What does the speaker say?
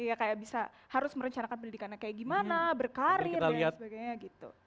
iya kayak bisa harus merencanakan pendidikannya kayak gimana berkarir dan sebagainya gitu